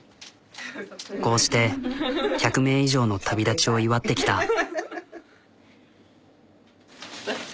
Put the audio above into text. こうして１００名以上の旅立ちを祝ってきた。